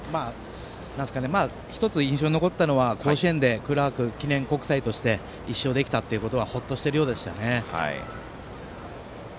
１つ印象に残ったのは甲子園でクラーク記念国際として１勝できたということはほっとしているようでしたね。